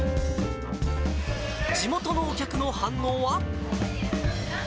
地元のお客の反応は。